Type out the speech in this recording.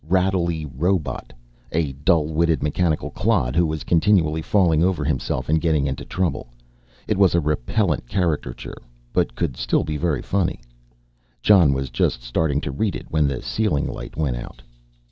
"Rattly Robot," a dull witted mechanical clod who was continually falling over himself and getting into trouble. It was a repellent caricature, but could still be very funny. Jon was just starting to read it when the ceiling light went out.